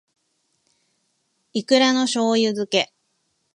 いくらの醬油漬け